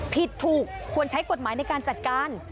ผิดถูกควรใช้กฎหมายในการจัดการ